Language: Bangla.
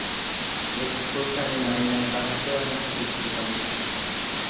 যে-ঠাকুরকে আমি মানি না তাহাকেও আমি ফাঁকি দিতে পারিব না।